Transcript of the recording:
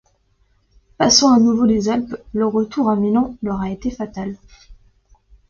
Passant à nouveau les Alpes, leur retour à Milan leur a été fatal.